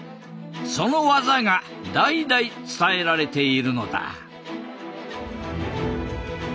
その技が代々伝えられているのだ。